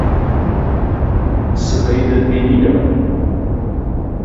سبەی دەتبینینەوە.